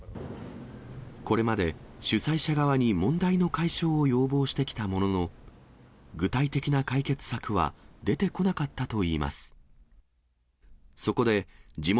これまで主催者側に問題の解消を要望してきたものの、具体的な解決策は出てこなかったといいます。